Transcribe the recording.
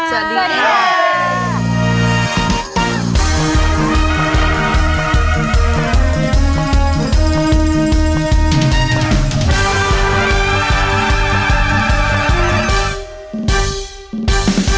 สวัสดีค่ะ